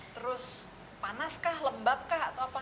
terus panaskah lembabkah atau apa